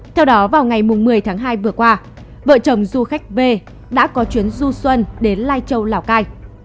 theo đó vào ngày một mươi tháng hai vừa qua vợ chồng du khách về đã có chuyến du xuân đến lai châu lào cai